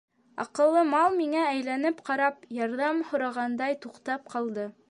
Аҡыллы мал миңә әйләнеп ҡарап, ярҙам һорағандай туҡтап ҡалды.